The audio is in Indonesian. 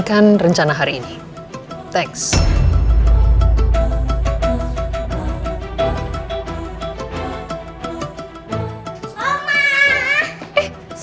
dikitin dia untuk berjanjian greatly